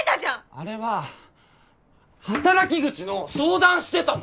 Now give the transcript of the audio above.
あれは働き口の相談してたの！